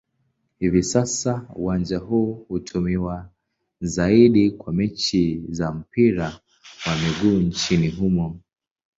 Hivi sasa uwanja huu hutumiwa zaidi kwa mechi za mpira wa miguu nchini humo.